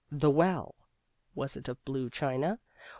The well (was it of blue china?)